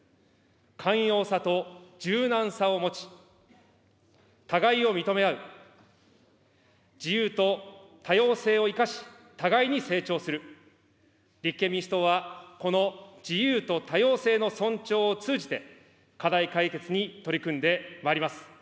寛容さと柔軟さを持ち、互いを認め合う、自由と多様性を生かし、互いに成長する、立憲民主党は、この自由と多様性の尊重を通じて、課題解決に取り組んでまいります。